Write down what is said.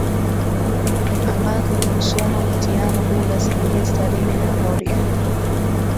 ambazo ni Musoma Butiama Bunda Serengeti Tarime na Rorya